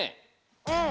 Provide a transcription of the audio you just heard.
うん。